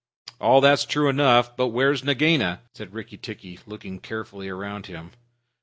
"All that's true enough. But where's Nagaina?" said Rikki tikki, looking carefully round him.